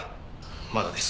まだです。